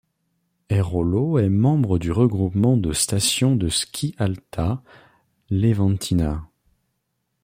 Airolo est membre du regroupement de stations de ski Alta Leventina.